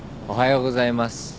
おはようございます。